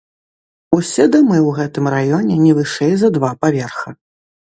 Усе дамы ў гэтым раёне не вышэй за два паверха.